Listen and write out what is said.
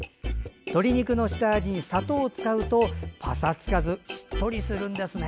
鶏肉の下味に砂糖を使うとパサつかずしっとりするんですね。